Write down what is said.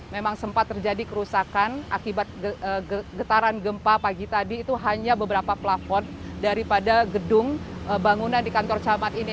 memang sempat terjadi kerusakan akibat getaran gempa pagi tadi itu hanya beberapa pelafon daripada gedung bangunan di kantor camat ini